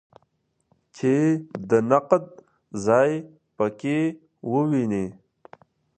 چې د نقد ځای په کې وویني.